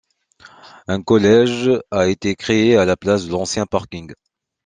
Un collège a été créé à la place de l'ancien parking.